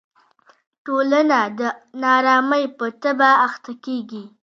ټولنه د نا ارامۍ په تبه اخته کېږي.